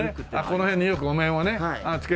この辺によくお面を着けてね